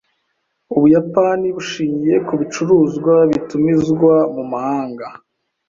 Ubuyapani bushingiye ku bicuruzwa bitumizwa mu mahanga.